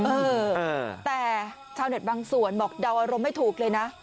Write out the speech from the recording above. เออแต่ชาวเน็ตบางส่วนบอกเดาอารมณ์ไม่ถูกเลยนะ